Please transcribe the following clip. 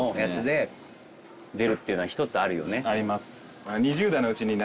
あります。